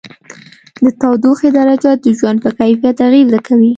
د تودوخې درجه د ژوند په کیفیت اغېزه کوي.